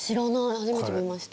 初めて見ました。